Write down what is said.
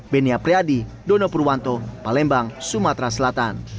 benia priadi dono purwanto palembang sumatera selatan